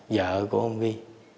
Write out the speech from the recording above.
vợ của ông vi